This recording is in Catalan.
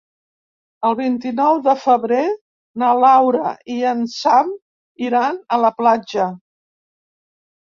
El vint-i-nou de febrer na Laura i en Sam iran a la platja.